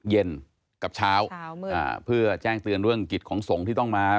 เย็นกับเช้าเพื่อแจ้งเตือนเรื่องกิจของสงฆ์ที่ต้องมา